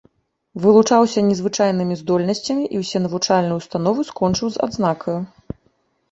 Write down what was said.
Вылучаўся незвычайнымі здольнасцямі і ўсе навучальныя ўстановы скончыў з адзнакаю.